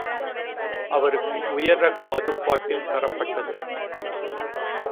அவருக்கு உயர் ரக மது பாட்டில் தரப்பட்டது.